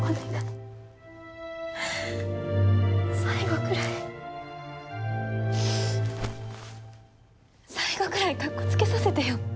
最後くらい最後くらいかっこつけさせてよ。